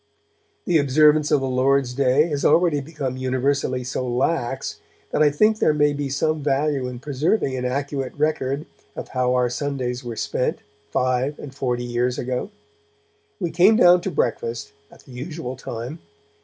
The observance of the Lord's Day has already become universally so lax that I think there may be some value in preserving an accurate record of how our Sundays were spent five and forty years ago. We came down to breakfast at the usual time.